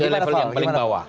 nah bagaimana pak